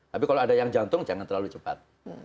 tapi kalau ada yang jantung jangan terlalu cepat